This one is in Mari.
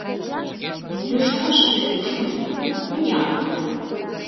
Тӱшкашке ушнет гын, виян лият.